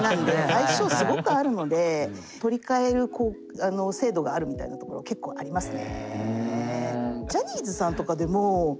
相性すごくあるので取りかえる制度があるみたいなところ結構ありますね。